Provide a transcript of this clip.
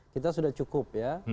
kita sudah cukup ya